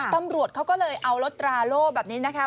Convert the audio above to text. ตำรวจเขาก็เลยเอารถตราโล่แบบนี้นะคะ